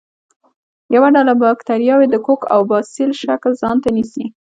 یوه ډله باکتریاوې د کوک او باسیل شکل ځانته نیسي.